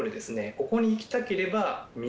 ここに行きたければ右。